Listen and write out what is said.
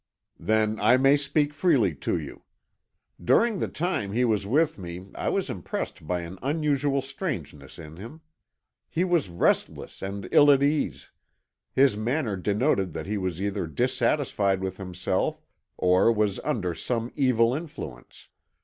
"Then I may speak freely to you. During the time he was with me I was impressed by an unusual strangeness in him. He was restless and ill at ease; his manner denoted that he was either dissatisfied with himself or was under some evil influence.